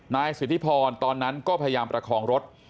นายสิทธิพรตอนนั้นก็พยายามประคองรถ